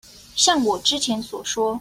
像我之前所說